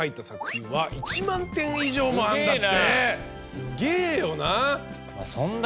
すげえよな！